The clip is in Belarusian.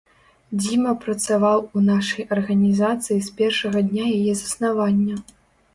Дзіма працаваў у нашай арганізацыі з першага дня яе заснавання.